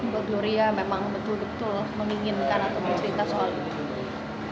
gloria memang betul betul menginginkan atau bercerita soal itu